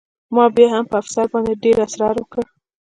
ما بیا هم په افسر باندې ډېر اسرار وکړ